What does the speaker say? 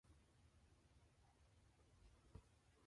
The soft susy breaking are divided into roughly three pieces.